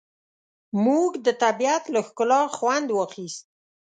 موږ د طبیعت له ښکلا خوند واخیست.